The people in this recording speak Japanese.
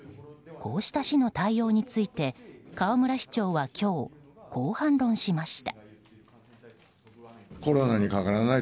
こうした市の対応について河村市長は今日こう反論しました。